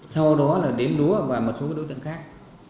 sau đó là đếm đúa và một số đối tượng khác